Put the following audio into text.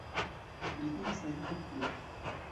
Li diris nenion plu.